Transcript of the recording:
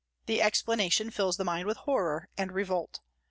The explanation fills the mind with horror and revolt.